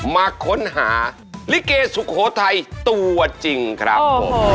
มาค้นหาลิเกสุโขทัยตัวจริงครับผม